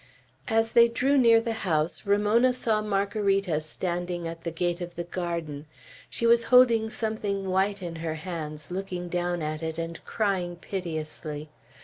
As they drew near the house, Ramona saw Margarita standing at the gate of the garden. She was holding something white in her hands, looking down at it, and crying piteously.